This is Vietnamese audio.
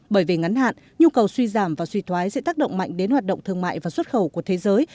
bởi về ngắn hạn nhu cầu suy giảm và suy thoái sẽ tác động mạnh đến hoạt động thương mại và xuất khẩu của thế giới